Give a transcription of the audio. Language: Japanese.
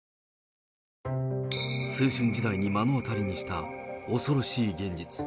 青春時代に目の当たりにした恐ろしい現実。